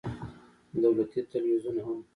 دولتي ټلویزیون هم